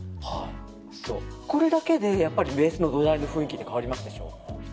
これだけでベースの土台の雰囲気変わりますでしょ。